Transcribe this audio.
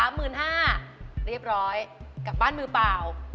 เรียบร้อยกลับบ้านมือเปล่า